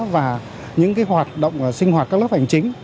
và những hoạt động sinh hoạt các lớp hành chính